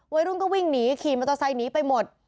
วัยรุ่นก็วิ่งหนีขี่มอเตอร์ไซค์หนีไปหมด